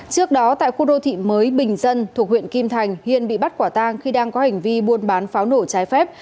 trước đó tại khu đô thị mới bình dân thuộc huyện kim thành hiên bị bắt quả tang khi đang có hành vi buôn bán pháo nổ trái phép